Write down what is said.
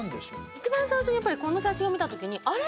一番最初にこの写真を見た時にあれ？